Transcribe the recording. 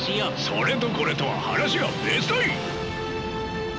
それとこれとは話が別だい！